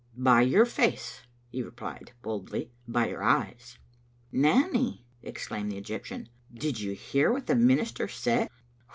"By your face," he replied, boldly; "by your eyes." "Nanny," exclaimed the Egyptian, "did you hear what the minister said?"